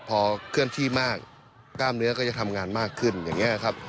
พอเคลื่อนที่มากกล้ามเนื้อก็จะทำงานมากขึ้นอย่างนี้ครับ